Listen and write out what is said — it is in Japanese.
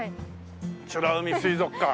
美ら海水族館